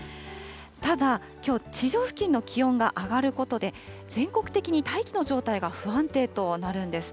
ただ、きょう地上付近の気温が上がることで全国的に大気の状態が不安定となるんです。